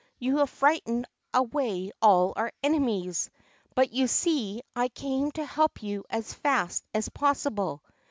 You have frightened away all our enemies, but you see I came to help you as fast as possible."